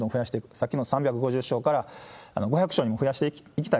さっきの３５０床から５００床にも増やしていきたい。